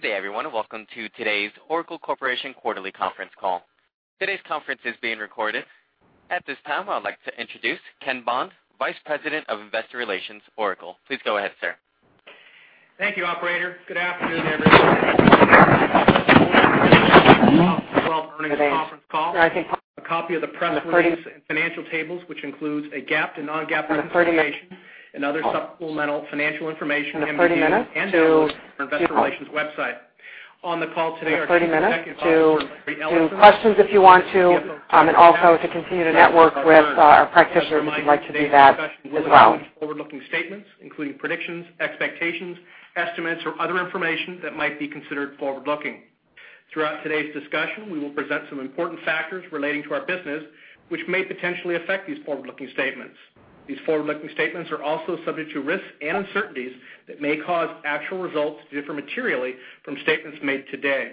Good day, everyone. Welcome to today's Oracle Corporation quarterly conference call. Today's conference is being recorded. At this time, I would like to introduce Ken Bond, Vice President of Investor Relations, Oracle. Please go ahead, sir. Thank you, operator. Good afternoon, everyone. Welcome to Oracle Corporation's fiscal 2012 earnings conference call. A copy of the press release and financial tables, which includes GAAP and non-GAAP information and other supplemental financial information can be viewed and downloaded on our investor relations website. On the call today are Chief Executive Officer, Larry Ellison, President and CFO, Safra Catz. 30 minutes to questions if you want to, also to continue to network with our practitioners if you'd like to do that as well. I want to remind you that today's discussion will include forward-looking statements, including predictions, expectations, estimates, or other information that might be considered forward-looking. Throughout today's discussion, we will present some important factors relating to our business, which may potentially affect these forward-looking statements. These forward-looking statements are also subject to risks and uncertainties that may cause actual results to differ materially from statements made today.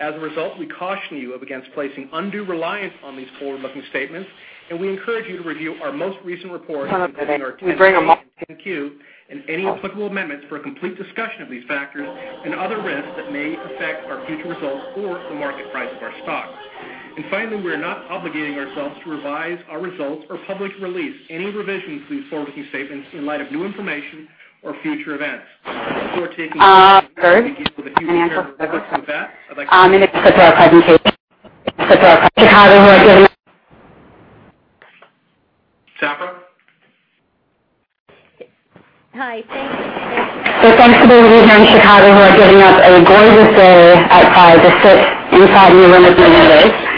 As a result, we caution you up against placing undue reliance on these forward-looking statements. We encourage you to review our most recent reports, including our 10-Q, and any applicable amendments for a complete discussion of these factors and other risks that may affect our future results or the market price of our stock. Finally, we're not obligating ourselves to revise our results or publish release any revisions to these forward-looking statements in light of new information or future events. Before taking your questions, I think it would be prudent to share a few words with that. I'd like to introduce Safra? Hi. Thank you. Thanks to those of you here in Chicago who are giving up a gorgeous day outside to sit inside in a room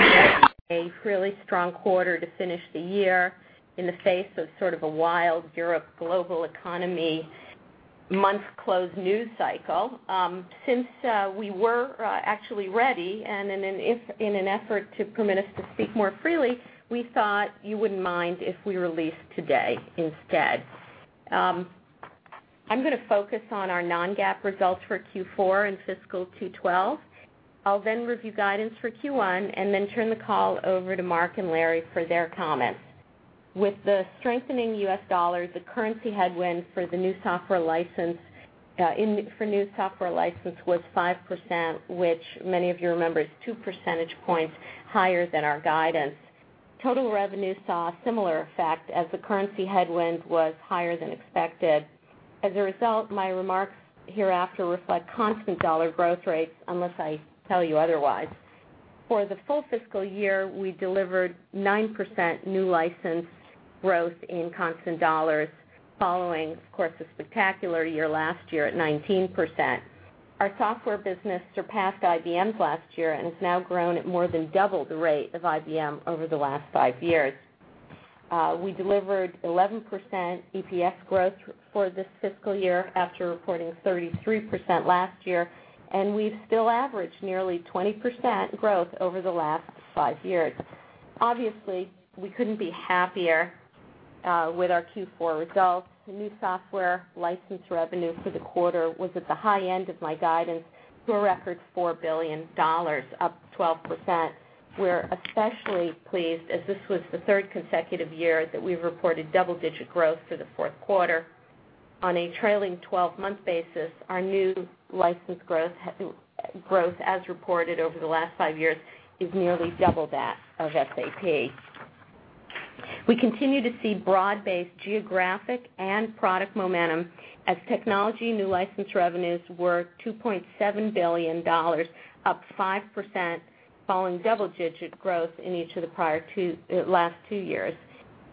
with me and Larry. A really strong quarter to finish the year in the face of sort of a wild Europe global economy month close news cycle. Since we were actually ready, and in an effort to permit us to speak more freely, we thought you wouldn't mind if we released today instead. I'm going to focus on our non-GAAP results for Q4 and fiscal 2012. I'll then review guidance for Q1 and then turn the call over to Mark and Larry for their comments. With the strengthening U.S. dollar, the currency headwind for new software license was 5%, which many of you remember is 2 percentage points higher than our guidance. Total revenue saw a similar effect as the currency headwind was higher than expected. As a result, my remarks hereafter reflect constant dollar growth rates unless I tell you otherwise. For the full fiscal year, we delivered 9% new license growth in constant dollars, following, of course, a spectacular year last year at 19%. Our software business surpassed IBM's last year and has now grown at more than double the rate of IBM over the last five years. We delivered 11% EPS growth for this fiscal year after reporting 33% last year, and we've still averaged nearly 20% growth over the last five years. Obviously, we couldn't be happier with our Q4 results. The new software license revenue for the quarter was at the high end of my guidance to a record $4 billion, up 12%. We're especially pleased as this was the third consecutive year that we've reported double-digit growth for the fourth quarter. On a trailing 12-month basis, our new license growth as reported over the last five years is nearly double that of SAP. We continue to see broad-based geographic and product momentum as technology new license revenues were $2.7 billion, up 5%, following double-digit growth in each of the last two years.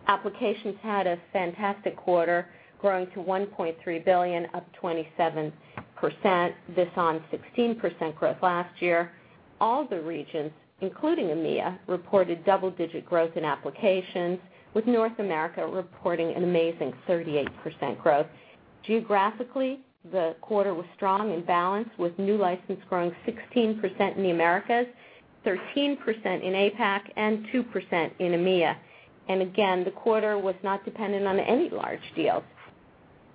Applications had a fantastic quarter, growing to $1.3 billion, up 27%, this on 16% growth last year. All the regions, including EMEA, reported double-digit growth in applications, with North America reporting an amazing 38% growth. Geographically, the quarter was strong and balanced, with new license growing 16% in the Americas, 13% in APAC, and 2% in EMEA. The quarter was not dependent on any large deals.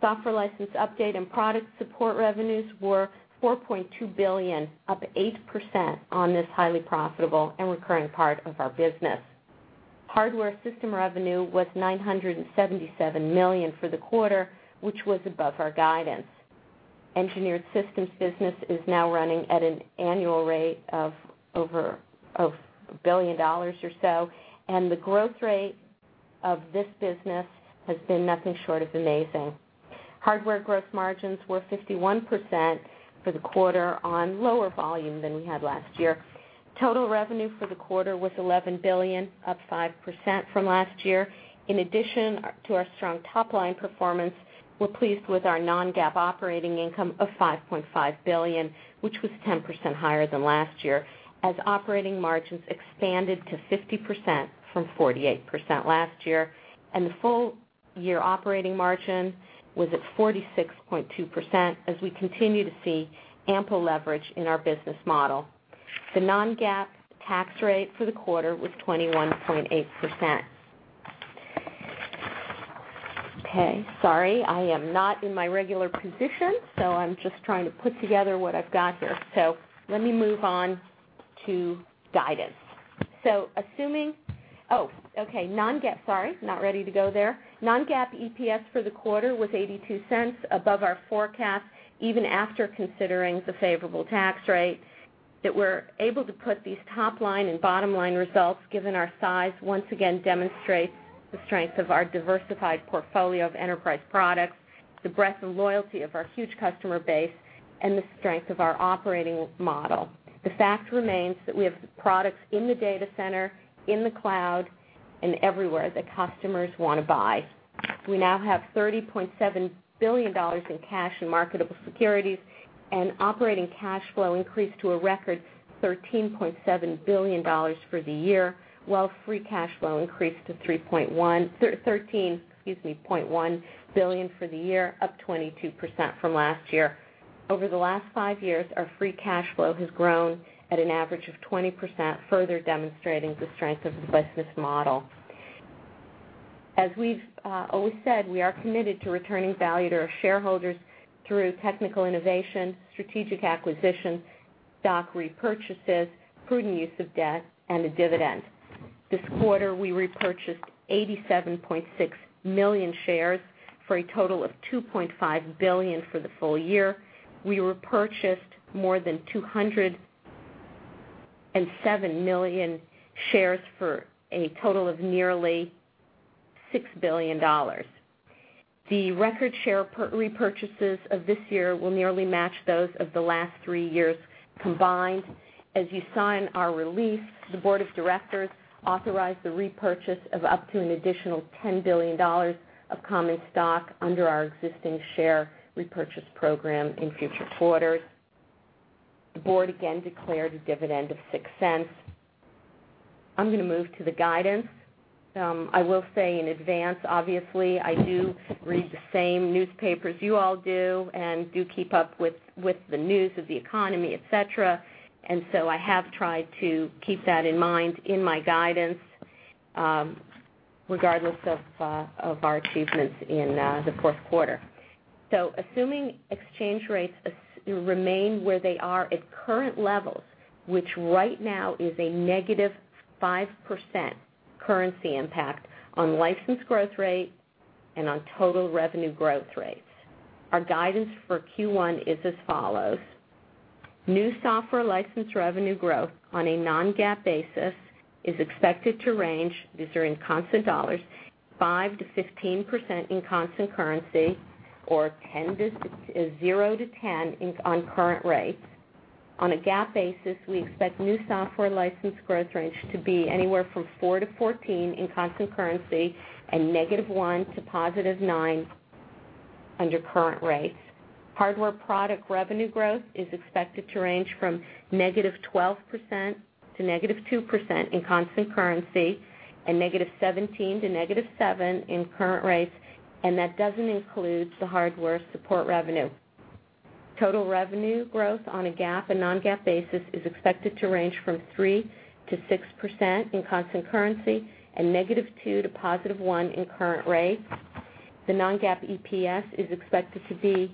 Software license update and product support revenues were $4.2 billion, up 8% on this highly profitable and recurring part of our business. Hardware system revenue was $977 million for the quarter, which was above our guidance. Engineered systems business is now running at an annual rate of $1 billion or so, and the growth rate of this business has been nothing short of amazing. Hardware gross margins were 51% for the quarter on lower volume than we had last year. Total revenue for the quarter was $11 billion, up 5% from last year. In addition to our strong top-line performance, we're pleased with our non-GAAP operating income of $5.5 billion, which was 10% higher than last year, as operating margins expanded to 50% from 48% last year. And the full-year operating margin was at 46.2% as we continue to see ample leverage in our business model. The non-GAAP tax rate for the quarter was 21.8%. Sorry, I am not in my regular position, I'm just trying to put together what I've got here. Let me move on to guidance. Oh, okay. Sorry, not ready to go there. Non-GAAP EPS for the quarter was $0.82 above our forecast, even after considering the favorable tax rate. That we're able to put these top-line and bottom-line results, given our size, once again demonstrates the strength of our diversified portfolio of enterprise products, the breadth and loyalty of our huge customer base, and the strength of our operating model. The fact remains that we have products in the data center, in the cloud, and everywhere that customers want to buy. We now have $30.7 billion in cash and marketable securities, and operating cash flow increased to a record $13.7 billion for the year, while free cash flow increased to $13.1 billion for the year, up 22% from last year. Over the last five years, our free cash flow has grown at an average of 20%, further demonstrating the strength of the business model. As we've always said, we are committed to returning value to our shareholders through technical innovation, strategic acquisitions, stock repurchases, prudent use of debt, and a dividend. This quarter, we repurchased 87.6 million shares for a total of $2.5 billion. For the full year, we repurchased more than 207 million shares for a total of nearly $6 billion. The record share repurchases of this year will nearly match those of the last three years combined. As you sign our release, the board of directors authorized the repurchase of up to an additional $10 billion of common stock under our existing share repurchase program in future quarters. The board again declared a dividend of $0.06. I'm going to move to the guidance. I will say in advance, obviously, I do read the same newspapers you all do and do keep up with the news of the economy, et cetera, and so I have tried to keep that in mind in my guidance, regardless of our achievements in the fourth quarter. Assuming exchange rates remain where they are at current levels, which right now is a -5% currency impact on license growth rates and on total revenue growth rates, our guidance for Q1 is as follows. New software license revenue growth on a non-GAAP basis is expected to range, these are in constant dollars, 5%-15% in constant currency, or 0%-10% on current rates. On a GAAP basis, we expect new software license growth range to be anywhere from 4%-14% in constant currency and -1% to +9% under current rates. Hardware product revenue growth is expected to range from -12% to -2% in constant currency and -17% to -7% in current rates, and that doesn't include the hardware support revenue. Total revenue growth on a GAAP and non-GAAP basis is expected to range from 3%-6% in constant currency and -2% to +1% in current rates. The non-GAAP EPS is expected to be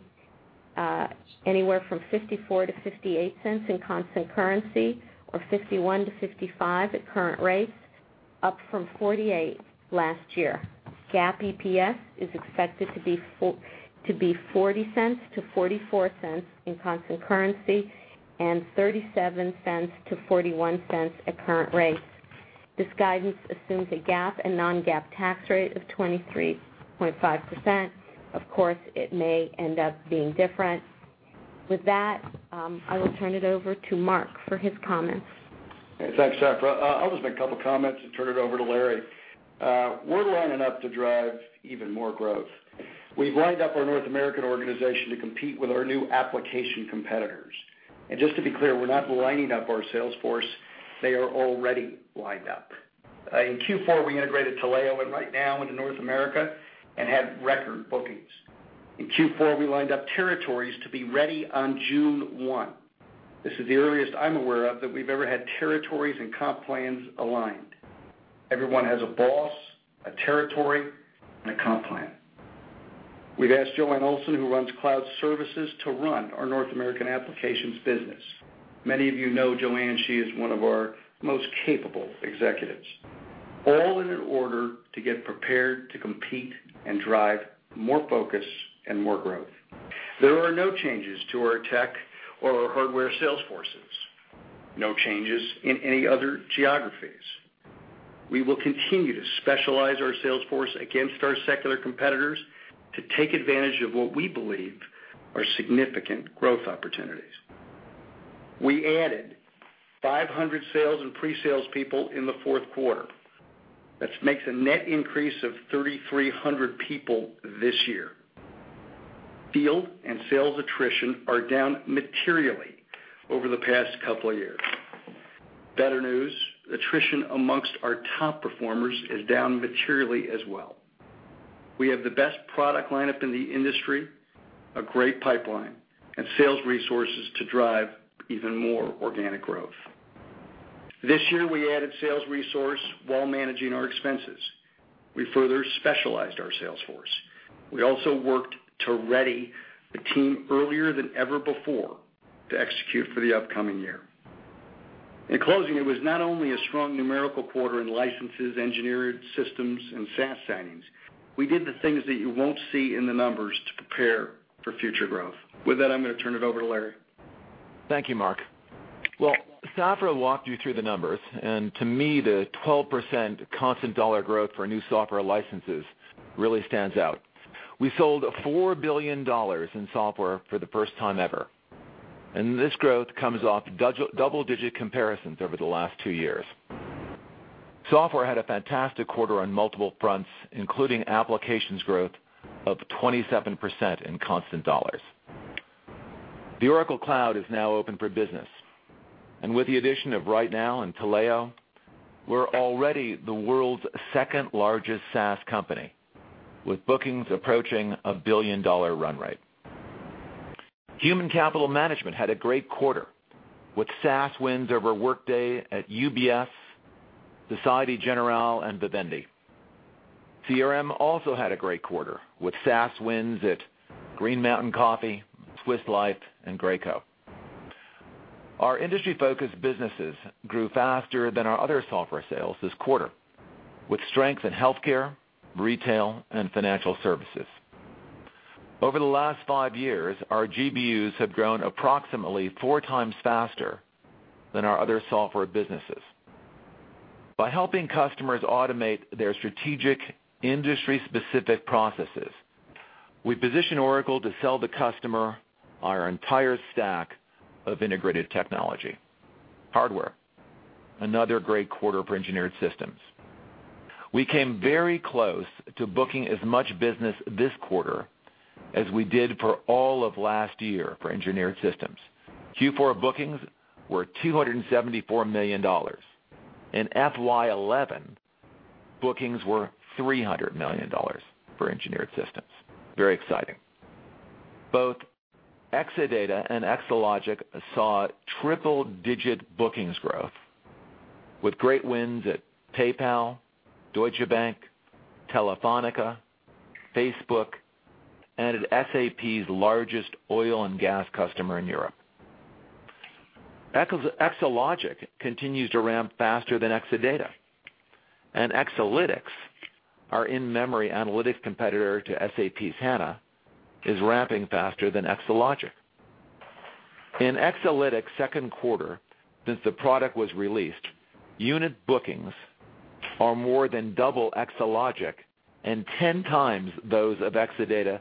anywhere from $0.54-$0.58 in constant currency or $0.51-$0.55 at current rates, up from $0.48 last year. GAAP EPS is expected to be $0.40-$0.44 in constant currency and $0.37-$0.41 at current rates. This guidance assumes a GAAP and non-GAAP tax rate of 23.5%. Of course, it may end up being different. With that, I will turn it over to Mark for his comments. Thanks, Safra. I'll just make a couple of comments and turn it over to Larry. We're lining up to drive even more growth. We've lined up our North American organization to compete with our new application competitors. Just to be clear, we're not lining up our sales force. They are already lined up. In Q4, we integrated Taleo and RightNow into North America and had record bookings. In Q4, we lined up territories to be ready on June 1. This is the earliest I'm aware of that we've ever had territories and comp plans aligned. Everyone has a boss, a territory, and a comp plan. We've asked Joanne Olsen, who runs cloud services, to run our North American applications business. Many of you know Joanne. She is one of our most capable executives. All in an order to get prepared to compete and drive more focus and more growth. There are no changes to our tech or our hardware sales forces. No changes in any other geographies. We will continue to specialize our sales force against our secular competitors to take advantage of what we believe are significant growth opportunities. We added 500 sales and pre-sales people in the fourth quarter. That makes a net increase of 3,300 people this year. Field and sales attrition are down materially over the past couple of years. Better news, attrition amongst our top performers is down materially as well. We have the best product lineup in the industry, a great pipeline, and sales resources to drive even more organic growth. This year, we added sales resource while managing our expenses. We further specialized our sales force. We also worked to ready the team earlier than ever before to execute for the upcoming year. In closing, it was not only a strong numerical quarter in licenses, engineered systems, and SaaS signings. We did the things that you won't see in the numbers to prepare for future growth. With that, I'm going to turn it over to Larry. Thank you, Mark. Well, Safra walked you through the numbers. To me, the 12% constant dollar growth for new software licenses really stands out. We sold $4 billion in software for the first time ever, and this growth comes off double-digit comparisons over the last two years. Software had a fantastic quarter on multiple fronts, including applications growth of 27% in constant dollars. The Oracle Cloud is now open for business. With the addition of RightNow and Taleo, we're already the world's second-largest SaaS company, with bookings approaching a billion-dollar run rate. Human capital management had a great quarter with SaaS wins over Workday at UBS, Société Générale, and Vivendi. CRM also had a great quarter with SaaS wins at Green Mountain Coffee, Swiss Life, and Graco. Our industry-focused businesses grew faster than our other software sales this quarter, with strength in healthcare, retail, and financial services. Over the last five years, our GBUs have grown approximately four times faster than our other software businesses. By helping customers automate their strategic industry-specific processes, we position Oracle to sell the customer our entire stack of integrated technology. Hardware. Another great quarter for engineered systems. We came very close to booking as much business this quarter as we did for all of last year for engineered systems. Q4 bookings were $274 million. In FY 2011, bookings were $300 million for engineered systems. Very exciting. Both Exadata and Exalogic saw triple-digit bookings growth with great wins at PayPal, Deutsche Bank, Telefónica, Facebook, and at SAP's largest oil and gas customer in Europe. Exalogic continues to ramp faster than Exadata. Exalytics, our in-memory analytics competitor to SAP's HANA, is ramping faster than Exalogic. In Exalytics' second quarter since the product was released, unit bookings are more than double Exalogic and 10 times those of Exadata in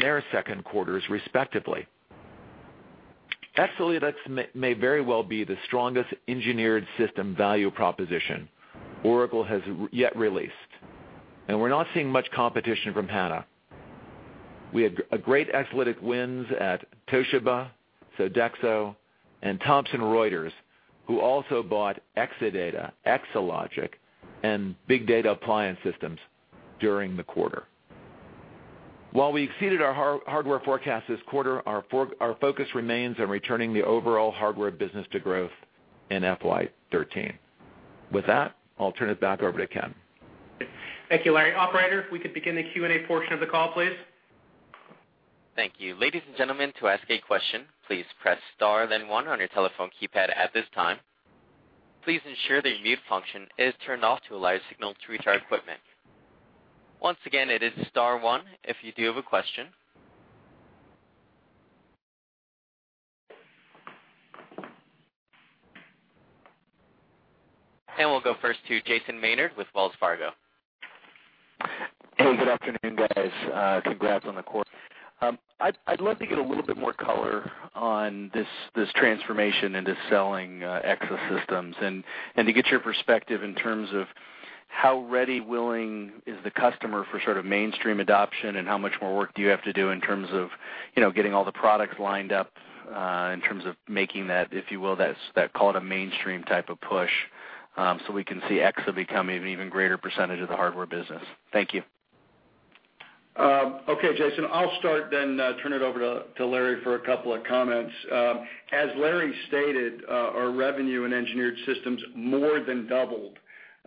their second quarters, respectively. Exalytics may very well be the strongest engineered system value proposition Oracle has yet released, and we're not seeing much competition from HANA. We had great Exalytics wins at Toshiba, Sodexo, and Thomson Reuters, who also bought Exadata, Exalogic, and Big Data Appliance systems during the quarter. While we exceeded our hardware forecast this quarter, our focus remains on returning the overall hardware business to growth in FY 2013. With that, I'll turn it back over to Ken. Thank you, Larry. Operator, if we could begin the Q&A portion of the call, please. Thank you. Ladies and gentlemen, to ask a question, please press star then 1 on your telephone keypad at this time. Please ensure that your mute function is turned off to allow your signal to reach our equipment. Once again, it is star 1 if you do have a question. We'll go first to Jason Maynard with Wells Fargo. Hey, good afternoon, guys. Congrats on the quarter. I'd love to get a little bit more color on this transformation into selling Exadata systems and to get your perspective in terms of how ready, willing is the customer for sort of mainstream adoption, and how much more work do you have to do in terms of getting all the products lined up, in terms of making that, if you will, that call it a mainstream type of push, so we can see Exadata become an even greater percentage of the hardware business. Thank you. Okay, Jason, I'll start then turn it over to Larry for a couple of comments. As Larry stated, our revenue in engineered systems more than doubled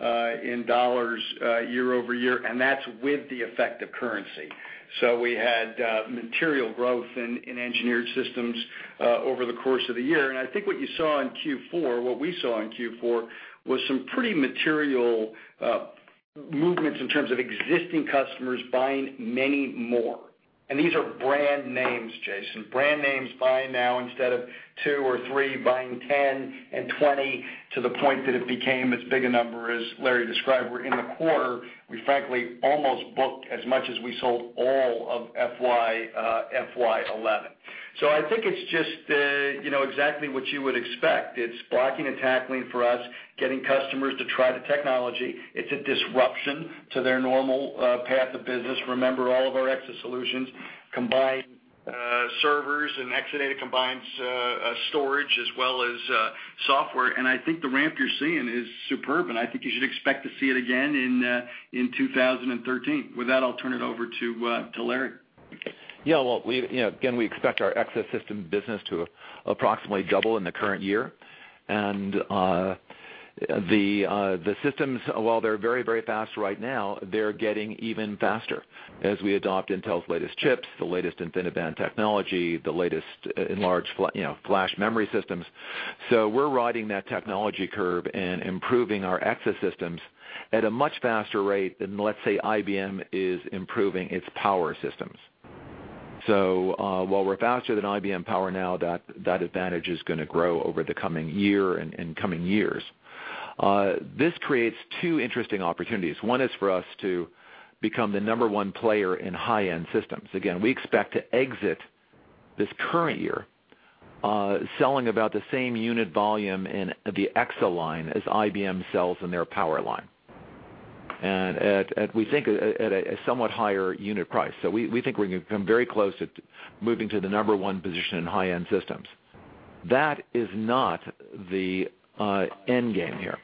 in dollars year-over-year, and that's with the effect of currency. We had material growth in engineered systems over the course of the year. I think what you saw in Q4, what we saw in Q4, was some pretty material movements in terms of existing customers buying many more. These are brand names, Jason. Brand names buying now, instead of two or three, buying 10 and 20, to the point that it became as big a number as Larry described, where in the quarter, we frankly almost booked as much as we sold all of FY 2011. I think it's just exactly what you would expect. It's blocking and tackling for us, getting customers to try the technology. It's a disruption to their normal path of business. Remember, all of our Exadata solutions combine servers, and Exadata combines storage as well as software. I think the ramp you're seeing is superb, and I think you should expect to see it again in 2013. With that, I'll turn it over to Larry. Well, again, we expect our Exadata system business to approximately double in the current year. The systems, while they're very fast right now, they're getting even faster as we adopt Intel's latest chips, the latest InfiniBand technology, the latest in large flash memory systems. We're riding that technology curve and improving our Exadata systems at a much faster rate than, let's say, IBM is improving its power systems. While we're faster than IBM power now, that advantage is going to grow over the coming year and coming years. This creates two interesting opportunities. One is for us to become the number one player in high-end systems. Again, we expect to exit this current year selling about the same unit volume in the Exadata line as IBM sells in their power line. We think at a somewhat higher unit price. We think we're going to come very close at moving to the number one position in high-end systems. That is not the end game here.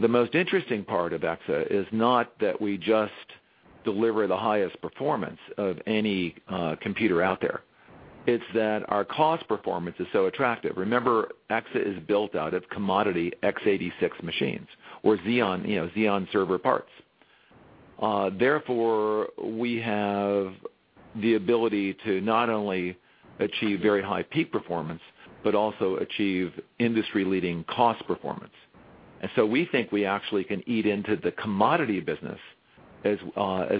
The most interesting part of Exadata is not that we just deliver the highest performance of any computer out there. It's that our cost performance is so attractive. Remember, Exadata is built out of commodity x86 machines or Xeon server parts. Therefore, we have the ability to not only achieve very high peak performance, but also achieve industry-leading cost performance. We think we actually can eat into the commodity business as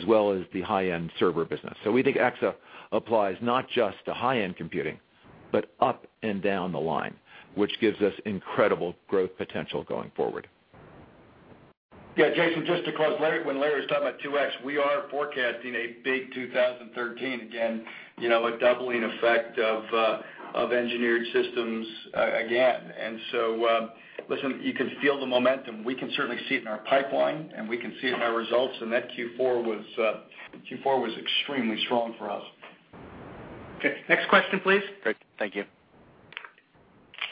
well as the high-end server business. We think Exadata applies not just to high-end computing, but up and down the line, which gives us incredible growth potential going forward. Yeah, Jason, just to close, when Larry was talking about 2X, we are forecasting a big 2013 again, a doubling effect of engineered systems again. Listen, you can feel the momentum. We can certainly see it in our pipeline, and we can see it in our results, and that Q4 was extremely strong for us. Okay, next question, please. Great. Thank you.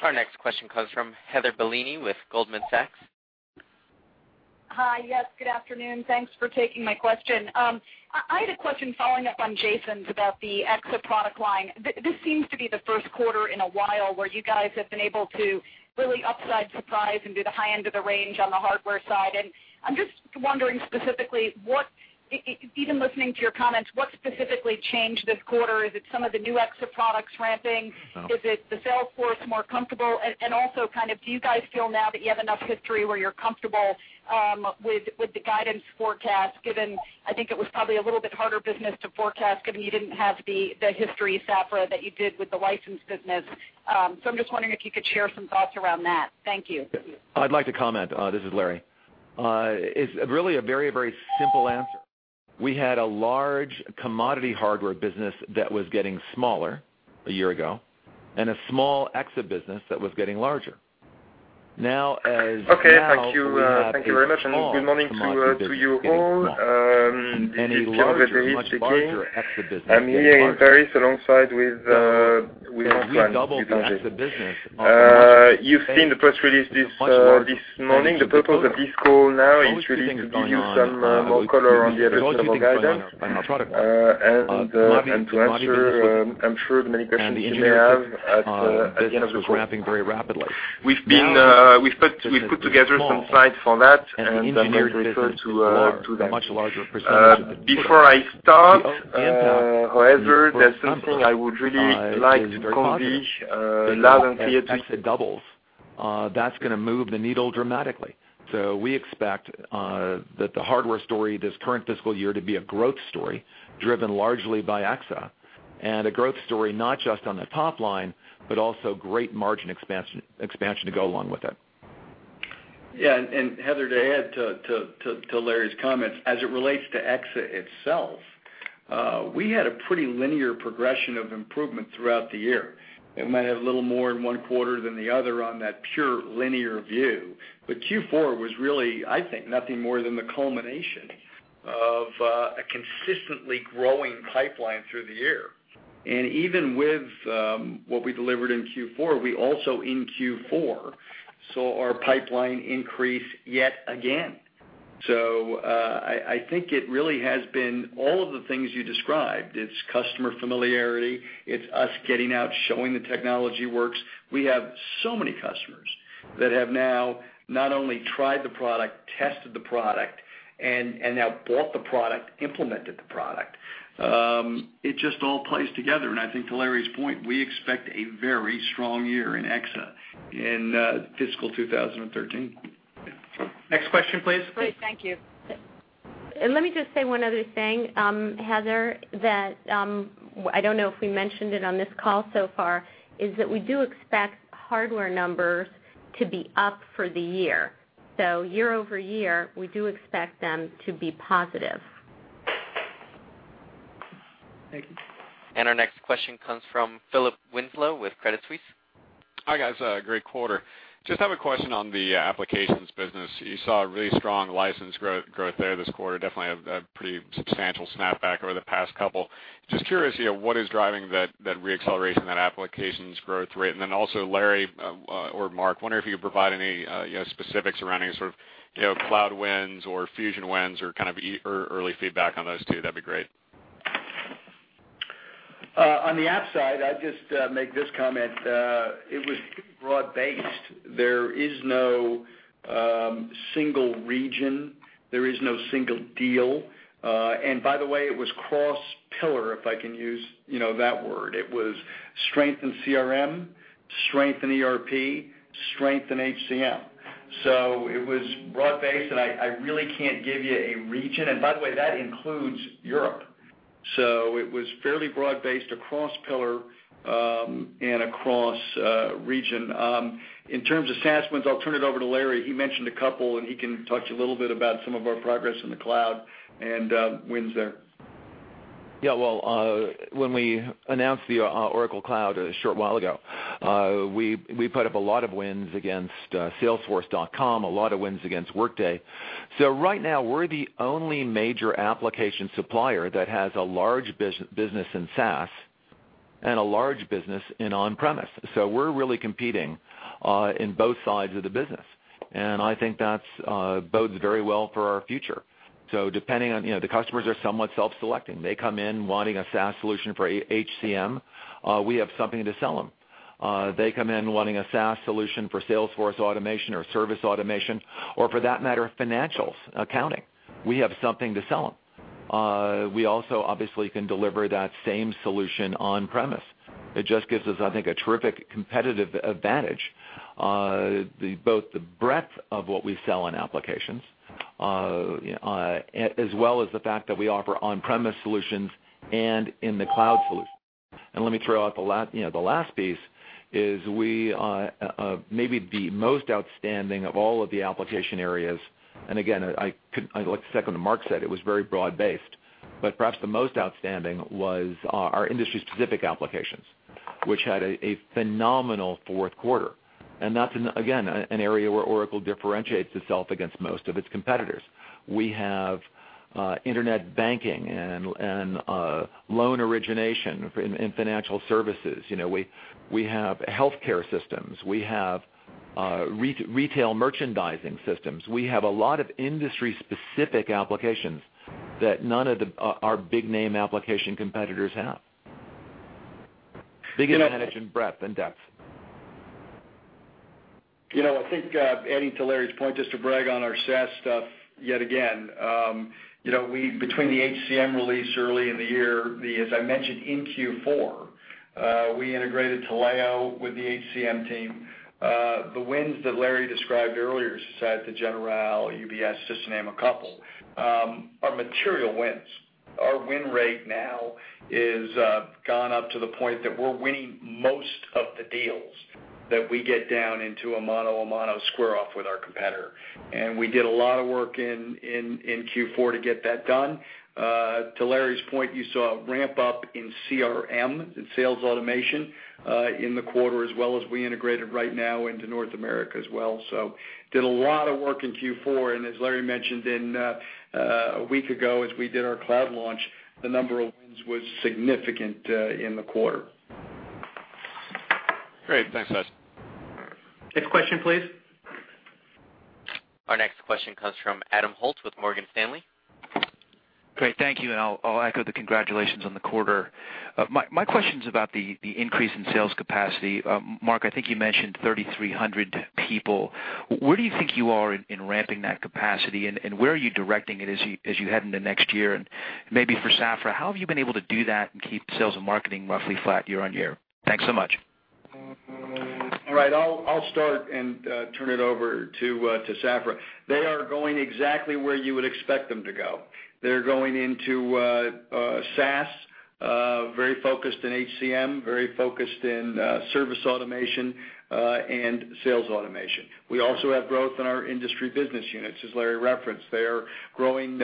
Our next question comes from Heather Bellini with Goldman Sachs. Hi. Yes, good afternoon. Thanks for taking my question. I had a question following up on Jason's about the Exa product line. This seems to be the first quarter in a while where you guys have been able to really upside surprise and do the high end of the range on the hardware side. I'm just wondering specifically, even listening to your comments, what specifically changed this quarter? Is it some of the new Exa products ramping? Is it the sales force more comfortable? Also do you guys feel now that you have enough history where you're comfortable with the guidance forecast, given I think it was probably a little bit harder business to forecast given you didn't have the history, Safra, that you did with the license business? I'm just wondering if you could share some thoughts around that. Thank you. I'd like to comment. This is Larry. It's really a very simple answer. We had a large commodity hardware business that was getting smaller a year ago and a small Exadata business that was getting larger. Now we have a small commodity business getting smaller and a larger, much larger Exadata business getting larger. We doubled the Exa business off a much larger base, it's a much larger percentage of the total. So there are always two things going on. We said there's always two things going on in our product line. The commodity business was in decline, and the engineered systems business was ramping very rapidly. Now this is a small and an engineering business, a much larger percentage of the total. The up and down is very positive. As Exadata doubles, that's going to move the needle dramatically. We expect that the hardware story this current fiscal year to be a growth story driven largely by Exadata, and a growth story not just on the top line, but also great margin expansion to go along with it. Yeah, Heather, to add to Larry's comments, as it relates to Exadata itself, we had a pretty linear progression of improvement throughout the year. It might have a little more in one quarter than the other on that pure linear view. Q4 was really, I think, nothing more than the culmination of a consistently growing pipeline through the year. Even with what we delivered in Q4, we also in Q4 saw our pipeline increase yet again. I think it really has been all of the things you described. It's customer familiarity. It's us getting out, showing the technology works. We have so many customers that have now not only tried the product, tested the product, and now bought the product, implemented the product. It just all plays together, and I think to Larry's point, we expect a very strong year in Exadata in fiscal 2013. Next question, please. Great. Thank you. Let me just say one other thing, Heather, that I don't know if we mentioned it on this call so far, is that we do expect hardware numbers to be up for the year. Year-over-year, we do expect them to be positive. Thank you. Our next question comes from Philip Winslow with Credit Suisse. Hi, guys. Great quarter. Just have a question on the applications business. You saw a really strong license growth there this quarter, definitely a pretty substantial snapback over the past couple. Just curious, what is driving that re-acceleration, that applications growth rate? Also, Larry or Mark, wondering if you could provide any specifics around any sort of cloud wins or Fusion wins or kind of early feedback on those two, that'd be great. On the app side, I'd just make this comment. It was broad-based. There is no single region. There is no single deal. By the way, it was cross-pillar, if I can use that word. It was strength in CRM, strength in ERP, strength in HCM. It was broad-based, and I really can't give you a region. By the way, that includes Europe. It was fairly broad-based across pillar and across region. In terms of SaaS wins, I'll turn it over to Larry. He mentioned a couple, and he can talk to you a little bit about some of our progress in the cloud and wins there. Yeah. Well, when we announced the Oracle Cloud a short while ago, we put up a lot of wins against salesforce.com, a lot of wins against Workday. Right now, we're the only major application supplier that has a large business in SaaS and a large business in on-premise. We're really competing in both sides of the business, and I think that bodes very well for our future. Depending on, the customers are somewhat self-selecting. They come in wanting a SaaS solution for HCM. We have something to sell them. They come in wanting a SaaS solution for sales force automation or service automation, or for that matter, financials, accounting. We have something to sell them. We also obviously can deliver that same solution on-premise. It just gives us, I think, a terrific competitive advantage. Both the breadth of what we sell in applications as well as the fact that we offer on-premise solutions and in the cloud solutions. Let me throw out the last piece is maybe the most outstanding of all of the application areas, and again, I'd like to second what Mark said, it was very broad-based, but perhaps the most outstanding was our industry-specific applications, which had a phenomenal fourth quarter. That's, again, an area where Oracle differentiates itself against most of its competitors. We have internet banking and loan origination in financial services. We have healthcare systems. We have retail merchandising systems. We have a lot of industry-specific applications that none of our big-name application competitors have. Big advantage in breadth and depth. I think, adding to Larry's point, just to brag on our SaaS stuff yet again. Between the HCM release early in the year, as I mentioned in Q4, we integrated Taleo with the HCM team. The wins that Larry described earlier, Société Générale, UBS, just to name a couple, are material wins. Our win rate now has gone up to the point that we're winning most of the deals that we get down into a mano a mano square-off with our competitor. We did a lot of work in Q4 to get that done. To Larry's point, you saw a ramp-up in CRM and sales automation in the quarter, as well as we integrated RightNow into North America as well. Did a lot of work in Q4, and as Larry mentioned a week ago, as we did our cloud launch, the number of wins was significant in the quarter. Great. Thanks, guys. Next question, please. Our next question comes from Adam Holt with Morgan Stanley. Great. Thank you. I'll echo the congratulations on the quarter. My question's about the increase in sales capacity. Mark, I think you mentioned 3,300 people. Where do you think you are in ramping that capacity, and where are you directing it as you head into next year? Maybe for Safra, how have you been able to do that and keep sales and marketing roughly flat year-on-year? Thanks so much. All right. I'll start and turn it over to Safra. They are going exactly where you would expect them to go. They're going into SaaS, very focused in HCM, very focused in service automation and sales automation. We also have growth in our industry business units, as Larry referenced. They are growing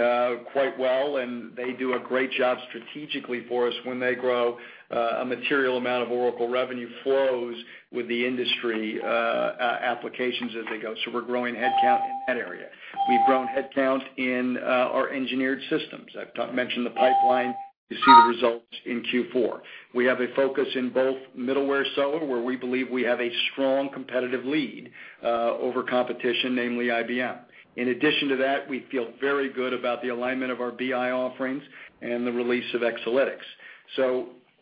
quite well, and they do a great job strategically for us when they grow a material amount of Oracle revenue flows with the industry applications as they go. We're growing headcount in that area. We've grown headcount in our engineered systems. I've mentioned the pipeline. You see the results in Q4. We have a focus in both middleware sales, where we believe we have a strong competitive lead over competition, namely IBM. In addition to that, we feel very good about the alignment of our BI offerings and the release of Exalytics.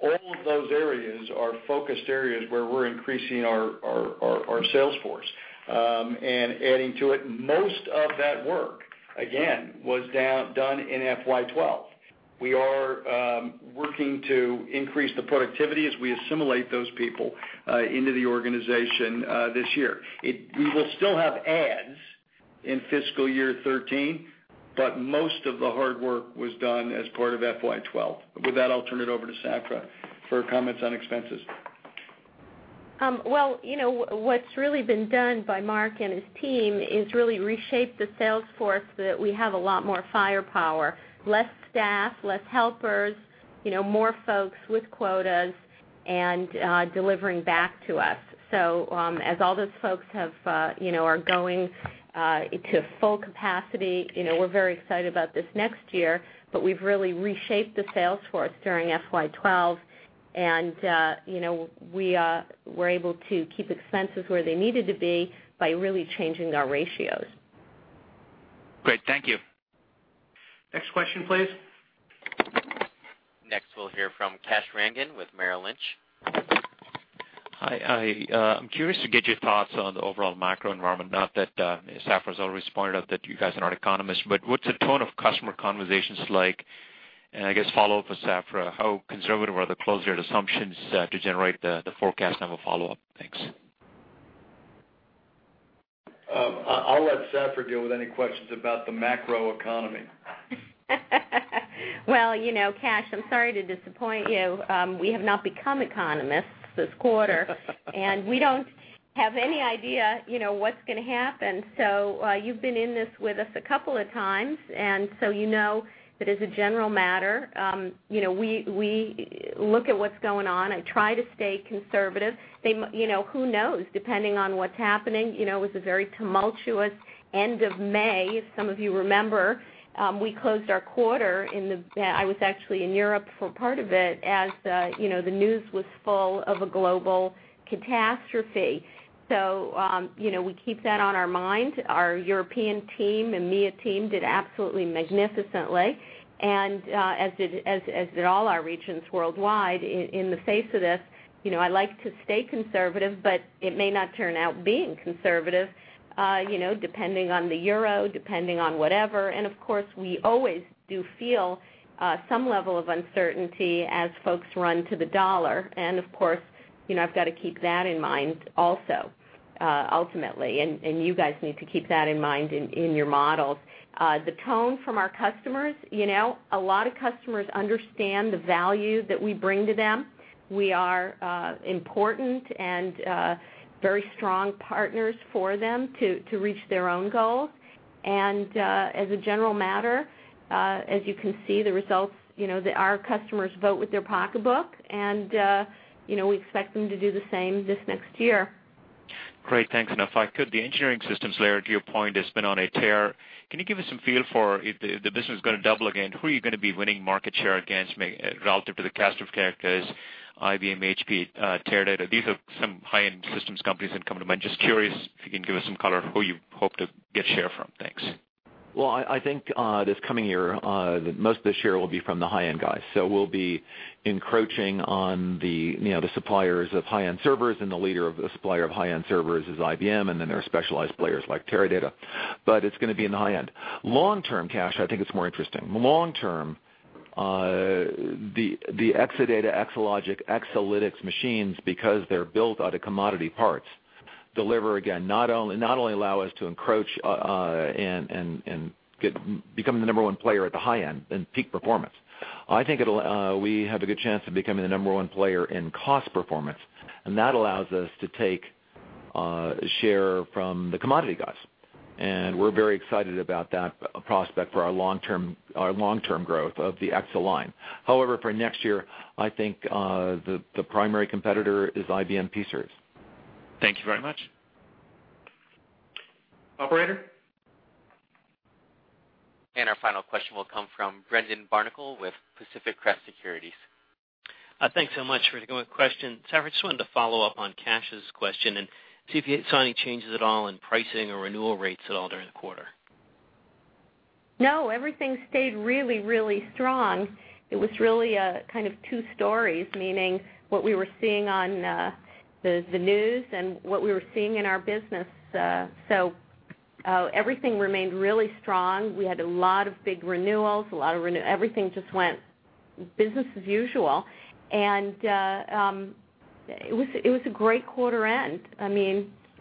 All of those areas are focused areas where we're increasing our sales force. Adding to it, most of that work, again, was done in FY 2012. We are working to increase the productivity as we assimilate those people into the organization this year. We will still have ads in fiscal year 2013, but most of the hard work was done as part of FY 2012. With that, I'll turn it over to Safra for comments on expenses. Well, what's really been done by Mark and his team is really reshape the sales force so that we have a lot more firepower. Less staff, less helpers, more folks with quotas and delivering back to us. As all those folks are going to full capacity, we're very excited about this next year, but we've really reshaped the sales force during FY 2012, and we were able to keep expenses where they needed to be by really changing our ratios. Great. Thank you. Next question, please. Next, we'll hear from Kash Rangan with Merrill Lynch. Hi. I'm curious to get your thoughts on the overall macro environment, not that Safra's always pointed out that you guys are not economists, but what's the tone of customer conversations like? I guess follow up with Safra, how conservative are the close-year assumptions to generate the forecast? I have a follow-up. Thanks. I'll let Safra deal with any questions about the macroeconomy. Kash, I'm sorry to disappoint you. We have not become economists this quarter, and we don't have any idea what's going to happen. You've been in this with us a couple of times, and so you know that as a general matter we look at what's going on and try to stay conservative. Who knows, depending on what's happening. It was a very tumultuous end of May, as some of you remember. We closed our quarter, I was actually in Europe for part of it, as the news was full of a global catastrophe. We keep that on our mind. Our European team and EMEA team did absolutely magnificently and as did all our regions worldwide in the face of this. I like to stay conservative, but it may not turn out being conservative depending on the euro, depending on whatever. Of course, we always do feel some level of uncertainty as folks run to the dollar. Of course, I've got to keep that in mind also, ultimately. You guys need to keep that in mind in your models. The tone from our customers, a lot of customers understand the value that we bring to them. We are important and very strong partners for them to reach their own goals. As a general matter, as you can see the results, our customers vote with their pocketbook, and we expect them to do the same this next year. Great. Thanks. If I could, the engineering systems layer, to your point, has been on a tear. Can you give us some feel for if the business is going to double again, who are you going to be winning market share against relative to the cast of characters, IBM, HP, Teradata? These are some high-end systems companies that come to mind. Just curious if you can give us some color who you hope to get share from. Thanks. I think this coming year, most of the share will be from the high-end guys. We'll be encroaching on the suppliers of high-end servers, and the leader of the supplier of high-end servers is IBM, and then there are specialized players like Teradata, but it's going to be in the high end. Long-term, Kash, I think it's more interesting. Long-term, the Exadata, Exalogic, Exalytics machines, because they're built out of commodity parts, deliver again, not only allow us to encroach and become the number one player at the high end in peak performance. I think we have a good chance of becoming the number one player in cost performance, and that allows us to take share from the commodity guys, and we're very excited about that prospect for our long-term growth of the Exadata line. However, for next year, I think the primary competitor is IBM pSeries. Thank you very much. Operator? Our final question will come from Brendan Barnicle with Pacific Crest Securities. Thanks so much for the going question. Safra, just wanted to follow up on Kash's question and see if you saw any changes at all in pricing or renewal rates at all during the quarter. No, everything stayed really, really strong. It was really kind of two stories, meaning what we were seeing on the news and what we were seeing in our business. Everything remained really strong. We had a lot of big renewals. Everything just went business as usual. It was a great quarter end,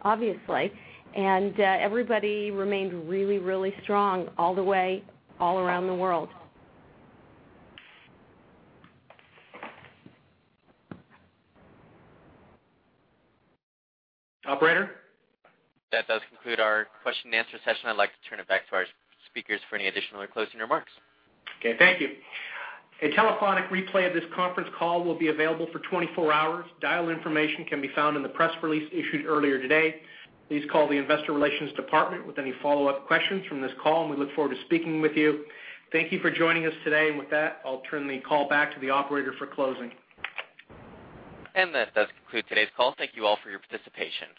obviously, and everybody remained really, really strong all the way, all around the world. Operator? That does conclude our question and answer session. I'd like to turn it back to our speakers for any additional or closing remarks. Okay, thank you. A telephonic replay of this conference call will be available for 24 hours. Dial information can be found in the press release issued earlier today. Please call the investor relations department with any follow-up questions from this call, and we look forward to speaking with you. Thank you for joining us today. With that, I'll turn the call back to the operator for closing. That does conclude today's call. Thank you all for your participation.